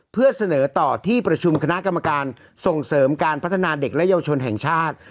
เพื่อเสนอต่อที่ประชุมคณะกรรมการส่งเสริมการพัฒนาเด็กและเยาวชนแห่งชาติ